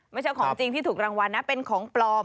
ไม่ใช่ของจริงที่ถูกรางวัลนะเป็นของปลอม